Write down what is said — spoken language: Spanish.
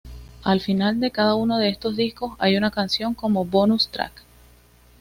Al final de cada uno de estos discos, hay una canción como bonus track.